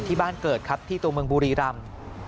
ที่บ้านเกิดครับที่ตัวเมืองบุรีรำ